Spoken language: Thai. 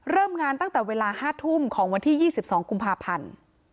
เริ่มงานตั้งแต่เวลา๕ทุ่มของวันที่๒๒กุมภาพันธ์